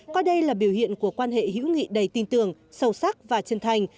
coi đây là biểu hiện của quan hệ hữu nghị đầy tin tưởng sâu sắc và chân thành